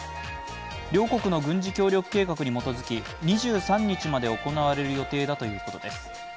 両国の軍事協力計画に基づき２３日まで行われる予定だということです。